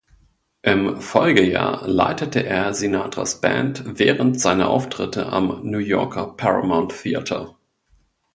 Im Folgejahr leitete er Sinatras Band während seiner Auftritte am New Yorker Paramount Theatre.